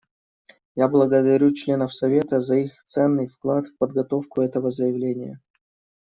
Я благодарю членов Совета за их ценный вклад в подготовку этого заявления.